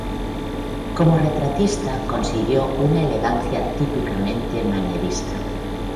Como retratista consiguió una elegancia típicamente manierista.